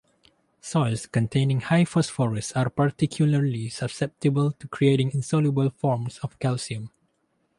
Soils containing high phosphorus are particularly susceptible to creating insoluble forms of calcium.